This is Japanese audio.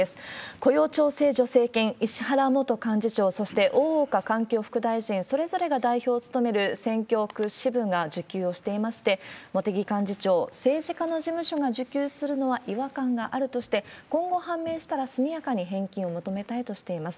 雇用調整助成金、石原元幹事長、そして大岡環境副大臣、それぞれが代表を務める選挙区支部が受給をしていまして、茂木幹事長、政治家の事務所が受給するのは違和感があるとして、今後判明したら、速やかに返金を求めたいとしています。